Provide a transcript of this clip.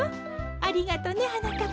ありがとねはなかっぱ。